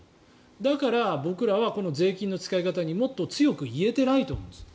だから、僕らは税金の使い方にもっと強く言えてないと思います。